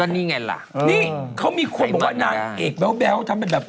นี่ไงล่ะนี่เขามีคนบอกว่านางเอกแบ๊วทำเป็นแบบ